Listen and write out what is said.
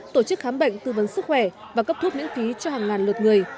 tổ chức khám bệnh tư vấn sức khỏe và cấp thuốc miễn phí cho hàng ngàn lượt người